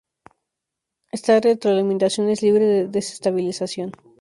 Esta retroalimentación es libre de desestabilización.